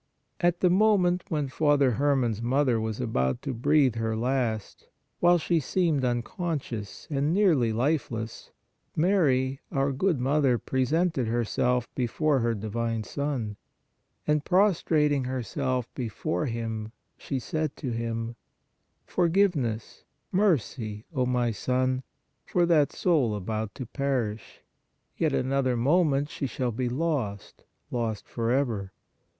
At the moment when Father Herman s mother was about to breathe her last, while she seemed unconscious and nearly life less, Mary, our good Mother, presented herself be fore her divine Son, and prostrating herself before Him, she said to Him : Forgiveness, mercy, O my Son, for that soul about to perish. Yet another moment, she shall be lost, lost forever!